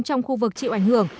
trong khu vực chịu ảnh hưởng